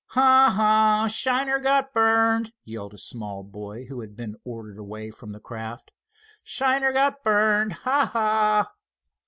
"Ha! Ha! Shiner got burned!" yelled a small boy who had been ordered away from the craft. "Shiner got burned! Ha! Ha!"